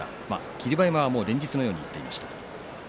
霧馬山は連日のように行っていました。